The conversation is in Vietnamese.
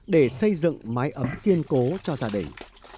để xây dựng mái ấm kiên cố cho gia đình